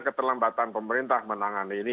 keterlambatan pemerintah menangani ini